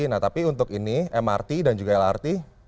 nah tapi untuk ini mrt dan juga lrt